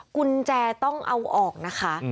กุญแจต้องเอาออกนะคะ